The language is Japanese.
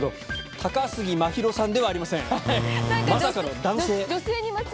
高杉真宙さんではありませんまさかの男性。